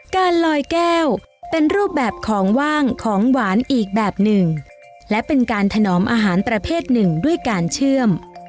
การลอยแก้วเป็นรูปแบบของว่างของหวานอีกแบบหนึ่งและเป็นการถนอมอาหารประเภทหนึ่งด้วยการเชื่อม